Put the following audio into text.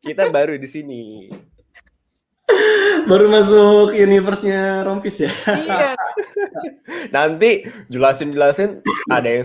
kita baru disini baru masuk universe nya rompis ya nanti jelasin jelasin ada yang